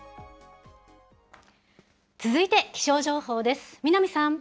続いて気象情報です。